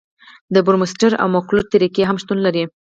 د بورمستر او مکلوډ طریقې هم شتون لري